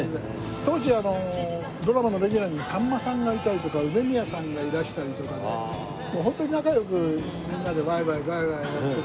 当時ドラマのレギュラーにさんまさんがいたりとか梅宮さんがいらしたりとかでもうホントに仲良くみんなでワイワイガヤガヤやってて。